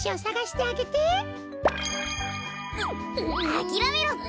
あきらめろって！